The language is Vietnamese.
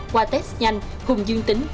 qua test nhanh hùng dương tính với ma túy